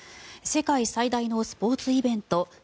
世界最大のスポーツイベントＦＩＦＡ